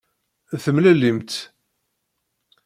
Temlellimt.